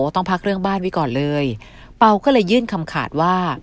ต้องพักเรื่องบ้านไว้ก่อนเลยเปล่าก็เลยยื่นคำขาดว่า